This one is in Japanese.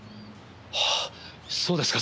ああそうですか。